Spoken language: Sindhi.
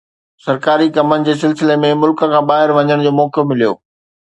سرڪاري ڪمن جي سلسلي ۾ ملڪ کان ٻاهر وڃڻ جو موقعو مليو